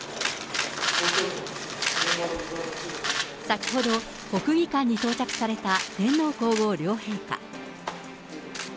先ほど国技館に到着された天皇皇后両陛下。